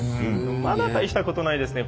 まだ大したことないですね